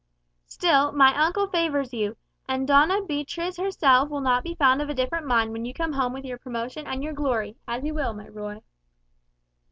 "Still, my uncle favours you; and Doña Beatriz herself will not be found of a different mind when you come home with your promotion and your glory, as you will, my Ruy!"